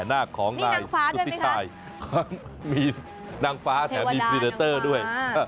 นางฟ้าแถมีพีเดรเตอร์ด้วย